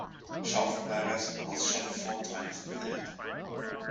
Schaufelberger's was shot four times in the head.